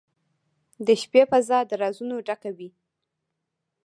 • د شپې فضاء د رازونو ډکه وي.